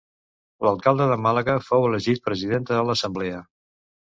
L'alcalde de Màlaga fou elegit president de l'assemblea.